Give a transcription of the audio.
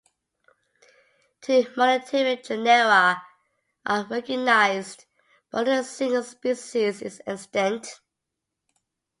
Two monotypic genera are recognized, but only a single species is extant.